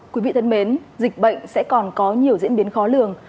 quý vị thân mến dịch bệnh sẽ còn có nhiều diễn biến khó lường